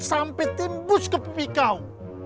sampai tembus ke pipi kau